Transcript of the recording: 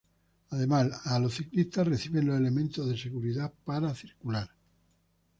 Además a los ciclistas reciben los elementos de seguridad para circular.